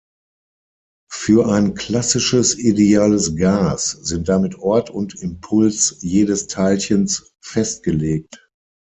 Für ein klassisches ideales Gas sind damit Ort und Impuls jedes Teilchens festgelegt.